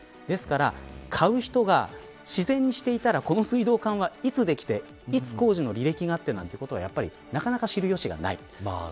ですから、買う人が自然にしていたらこの水道管は、いつできていつ工事の履歴があってなどということはなかなか知るよしがない。